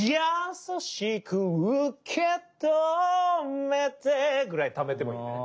さしくうけっとーめてぐらいタメてもいいんだね。